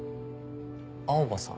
青羽さん？